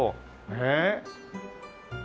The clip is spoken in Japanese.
ねえ。